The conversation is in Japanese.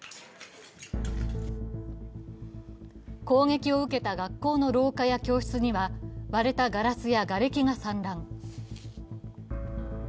攻撃を受けた学校の廊下や教室には割れたガラスやがれきが散乱。